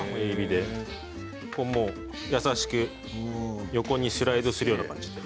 優しく横にスライドするような感じで。